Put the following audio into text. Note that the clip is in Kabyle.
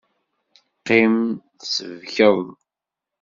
Qqim tsebkeḍ!